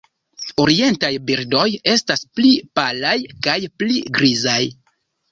Orientaj birdoj estas pli palaj kaj pli grizaj.